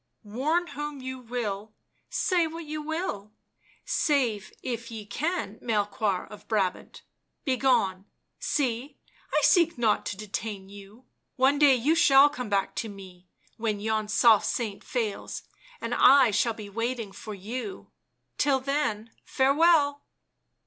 " Warn whom you will, say what you will ; save if ye can Melchoir of Brabant; begone, see, I seek not to detain you. One day you shall come back to me, when yon soft saint fails, and I shall be waiting for you ; till then, farewell."